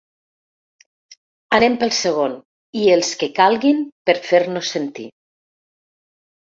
Anem pel segon… i els que calguin per fer-nos sentir.